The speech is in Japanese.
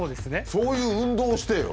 そういう運動をしてよ！